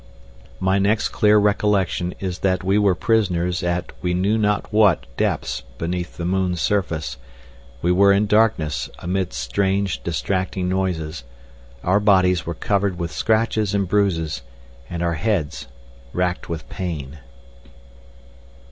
My next clear recollection is that we were prisoners at we knew not what depths beneath the moon's surface; we were in darkness amidst strange distracting noises; our bodies were covered with scratches and bruises, and our heads racked with pain.